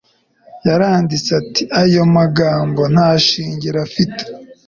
yaranditse ati “ayo magambo nta shingiro afite